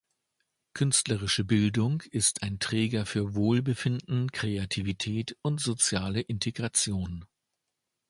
Künstlerische Bildung ist ein Träger für Wohlbefinden, Kreativität und soziale Integration.